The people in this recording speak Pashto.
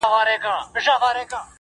د دې لپاره چي ډېوه به یې راځي کلي ته.